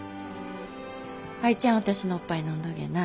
アイちゃん私のおっぱい飲んどげな。